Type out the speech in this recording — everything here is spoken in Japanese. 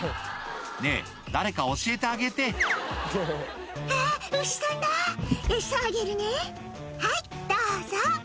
ねぇ誰か教えてあげて「あぁ牛さんだ！エサあげるねはいどうぞ」